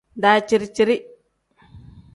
Daciri-ciri.